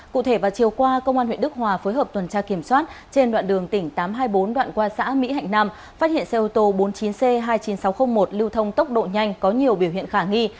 cụ thể vào chiều qua công an huyện đức hòa phối hợp tuần tra kiểm soát trên đoạn đường tỉnh tám trăm hai mươi bốn đoạn qua xã mỹ hạnh nam phát hiện xe ô tô bốn mươi chín c hai mươi chín nghìn sáu trăm linh một lưu thông tốc độ nhanh có nhiều biểu hiện khả nghi